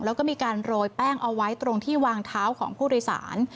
แล้วก็มีการโรยแป้งเอาไว้ตรงที่วางเท้าของผู้โดยสาร